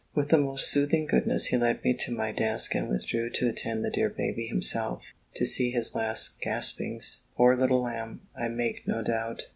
With the most soothing goodness he led me to my desk, and withdrew to attend the dear baby himself to see his last gaspings, poor little lamb, I make no doubt!